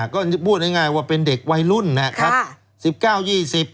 ก็พูดง่ายว่าเป็นเด็กวัยรุ่นนะครับ